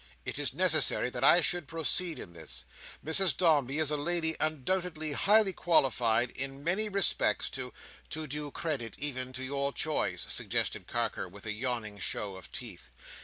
It is necessary that I should proceed in this. Mrs Dombey is a lady undoubtedly highly qualified, in many respects, to—" "To do credit even to your choice," suggested Carker, with a yawning show of teeth.